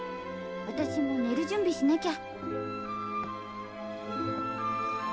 私も寝る準備しなきゃ。